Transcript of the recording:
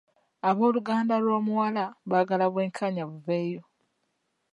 Abooluganda lw'omuwala baagala bwenkanya buveeyo.